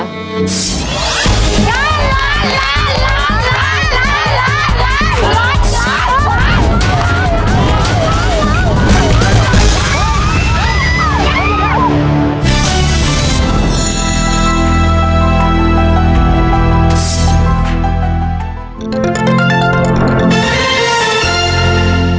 ร้อนร้อนร้อน